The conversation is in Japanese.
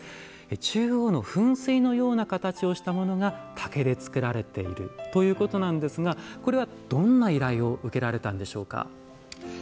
中央の噴水のような形をしたものが竹で作られているということなんですがこれはどんな依頼を受けられたんでしょうか？